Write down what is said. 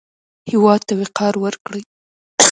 هېواد ته وقار ورکړئ